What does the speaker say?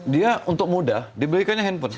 dia untuk mudah dibelikannya handphone